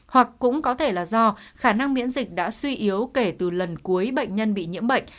hoặc cũng có thể là do khả năng miễn dịch đã suy yếu kể từ lần cuối bệnh nhân bị nhiễm bệnh